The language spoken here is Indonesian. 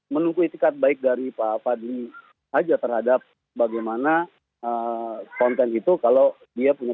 menunggu itikat baik dari pak fadli saja terhadap bagaimana konten itu kalau dia punya